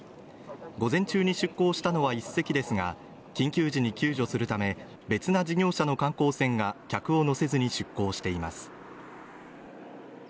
午前中に出航したのは１隻ですが緊急時に救助するため別な事業者の観光船が客を乗せずに出航しています